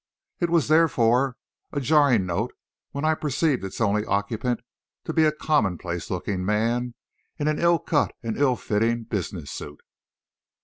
It was therefore a jarring note when I perceived its only occupant to be a commonplace looking man, in an ill cut and ill fitting business suit.